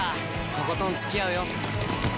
とことんつきあうよ！